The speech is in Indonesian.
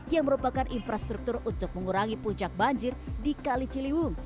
yang merupakan infrastruktur untuk mengurangi puncak banjir di kali ciliwung